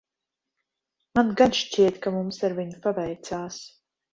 Man gan šķiet, ka mums ar viņu paveicās.